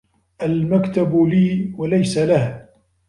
المكتب لي و ليس له.